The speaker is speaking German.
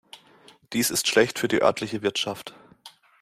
Dies ist schlecht für die örtliche Wirtschaft.